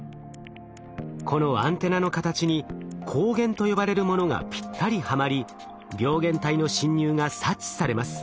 このアンテナの形に抗原と呼ばれるものがぴったりはまり病原体の侵入が察知されます。